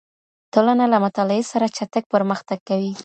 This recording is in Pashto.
ټولنه له مطالعې سره چټک پرمختګ کوي.